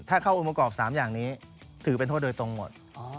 ถ้าเข้าองค์ประกอบ๓อย่างนี้ถือเป็นโทษโดยตรงหมด